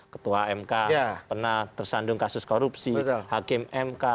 ketua mk pernah tersandung kasus korupsi hakim mk